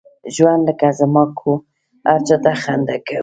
ژوند لکه زما کوه ، هر چاته خنده کوه!